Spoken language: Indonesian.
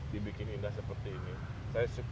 dibikin indah seperti ini